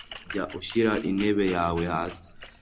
Jya ushyira intebe yawe hasi.